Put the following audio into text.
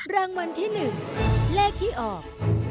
รางวัลที่หนึ่งแรกที่ออก